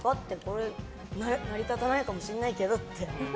成り立たないかもしれないけどって。